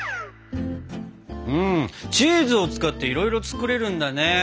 チーズを使っていろいろ作れるんだね。